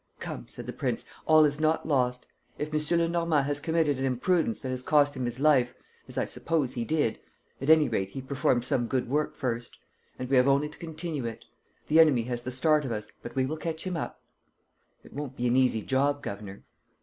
"Come," said the prince, "all is not lost. If M. Lenormand has committed an imprudence that has cost him his life, as I suppose he did, at any rate he performed some good work first; and we have only to continue it. The enemy has the start of us, but we will catch him up." "It won't be an easy job, governor."